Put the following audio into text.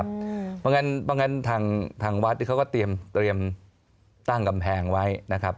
บางอย่างนั้นทางวัดเขาก็เตรียมตั้งกำแพงไว้